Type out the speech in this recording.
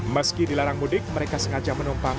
meski dilarang mudik mereka sengaja menumpang